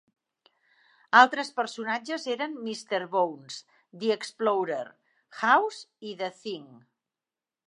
Altres personatges eren Mister Bones, the Explorer, House i the Thing.